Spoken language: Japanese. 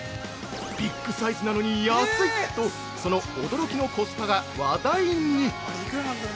ビッグサイズなのに安いとその驚きのコスパが話題に。